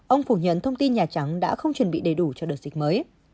ông phủ nhận thông tin nhà trắng đã không chuẩn bị đầy đủ cho đợt dịch mới